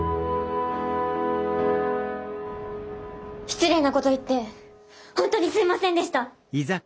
失礼なこと言って本当にすいませんでした。